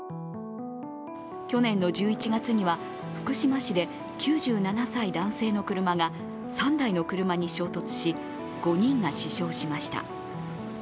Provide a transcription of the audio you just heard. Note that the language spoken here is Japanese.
去年の１１月には福島市で９７歳男性の車が３台の車に衝突し５人が死傷しました。